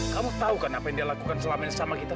kamu tahu kan apa yang dia lakukan selama ini sama kita